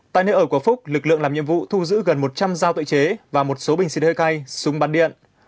tại nơi ở của phúc lực lượng làm nhiệm vụ thu giữ gần một trăm linh giao tự chế và một số bình xịt hơi cay súng bắn điện